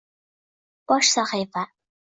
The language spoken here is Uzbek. Bosh sahifa